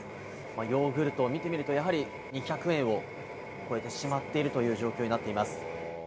ヨーグルトを見てみると、やはり２００円を超えてしまっているという状況になっています。